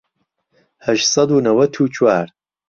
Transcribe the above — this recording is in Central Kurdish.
هەشت سەد و نەوەت و چوار